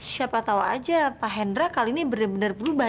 siapa tahu aja pak hendra kali ini benar benar berubah